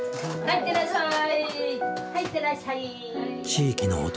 いってらっしゃい！